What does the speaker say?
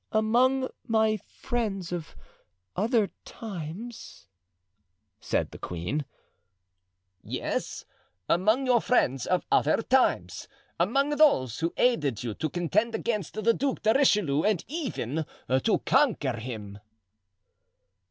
"Among my friends of other times?" said the queen. "Yes, among your friends of other times; among those who aided you to contend against the Duc de Richelieu and even to conquer him."